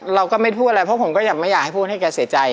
เราก็ไม่พูดอะไรเพราะผมก็อยากไม่อยากให้พูดให้แกเสียใจ